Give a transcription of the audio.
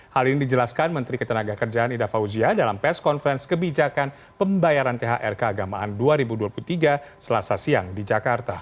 hal ini dijelaskan menteri ketenagakerjaan ida fauzia dalam pes konferens kebijakan pembayaran thrk agamaan dua ribu dua puluh tiga selasa siang di jakarta